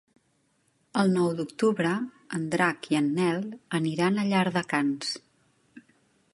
El nou d'octubre en Drac i en Nel aniran a Llardecans.